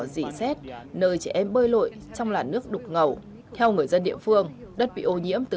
dì xét nơi chị em bơi lội trong làn nước đục ngầu theo người dân địa phương đất bị ô nhiễm từ